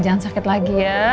jangan sakit lagi ya